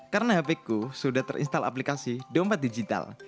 karena hp ku sudah terinstall aplikasi dompet digital